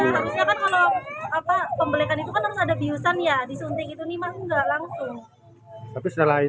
misalnya kan kalau pembelekan itu kan harus ada biusan ya disuntik itu nih maksudnya nggak langsung